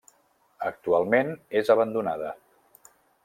Actualment és abandonada.